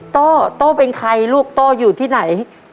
โต้โต้เป็นใครลูกโต้อยู่ที่ไหน